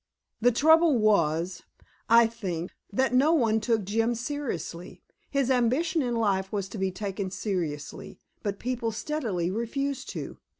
The trouble was, I think, that no one took Jim seriously. His ambition in life was to be taken seriously, but people steadily refused to.